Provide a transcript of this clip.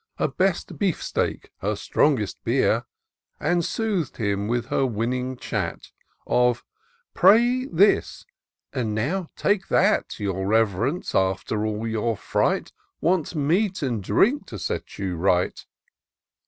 Her best beef steak, her strongest beer ; And sooth'd him with her winning chat. Of —" Pray eat this — ^and now take that. Your Rev'rence, after all your fright. Wants meat and drink to set you right."